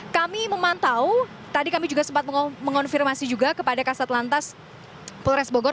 kami memantau tadi kami juga sempat mengonfirmasi juga kepada kasat lantas polres bogor